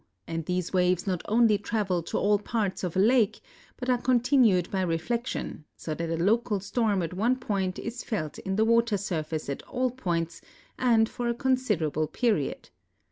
and these waves not only travel to all parts of alakel)ut are continued l)y rellee tion, so that a local storm at one point is felt in the water surface at all points and for a considerable jieriod.